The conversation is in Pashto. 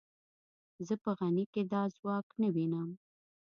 زه په غني کې دا ځواک نه وینم.